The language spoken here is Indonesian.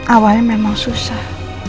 awalnya memang susah